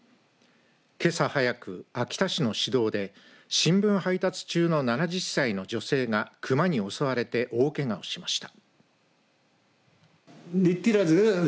けさ早く秋田市の市道で新聞配達中の７０歳の女性が熊に襲われて大けがをしました。